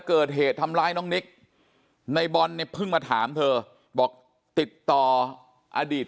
เกิดเหตุทำร้ายน้องนิกในบอลเนี่ยเพิ่งมาถามเธอบอกติดต่ออดีต